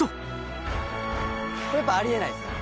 これやっぱあり得ないですかね。